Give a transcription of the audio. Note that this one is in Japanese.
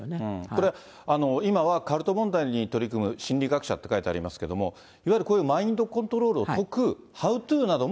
これ、今はカルト問題に取り組む心理学者って書いてありますけれども、いわゆるこういうマインドコントロールを解く、そうです。